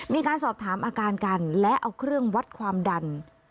มีการสอบถามอาการกันและเอาเครื่องวัดความดัน